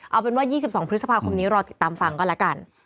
เอาเป็นว่า๒๒พฤษภาคมนี้รอติดตามฟังก็แล้วกัน